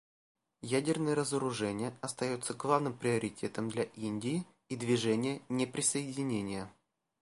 Ядерное разоружение остается главным приоритетом для Индии и Движения неприсоединения.